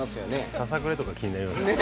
ささくれとか気になりますね。